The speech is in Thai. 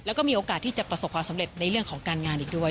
แล้วก็มีโอกาสที่จะประสบความสำเร็จในเรื่องของการงานอีกด้วย